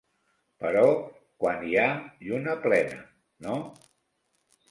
Però quan hi ha lluna plena, no?